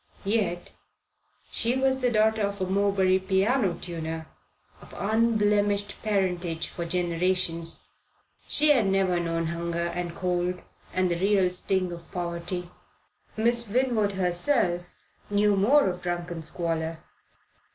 Yet she was the daughter of a Morebury piano tuner, of unblemished parentage for generations. She had never known hunger and cold and the real sting of poverty. Miss Winwood herself knew more of drunken squalor.